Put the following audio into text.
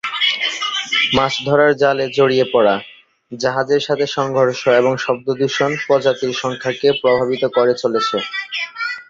মাছ ধরার জালে জড়িয়ে পড়া, জাহাজের সাথে সংঘর্ষ এবং শব্দ দূষণ প্রজাতির সংখ্যাকে প্রভাবিত করে চলেছে।